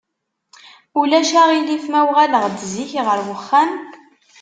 Ulac aɣilif ma uɣaleɣ-d zik ɣer uxxam?